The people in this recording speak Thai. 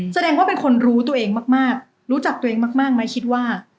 แสดงว่าเป็นคนรู้ตัวเองมากรู้จักตัวเองมากไหมคิดว่า